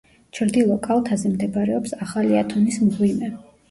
ჩრდილო კალთაზე მდებარეობს ახალი ათონის მღვიმე.